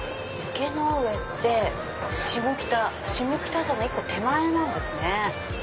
池ノ上って下北沢の１個手前なんですね。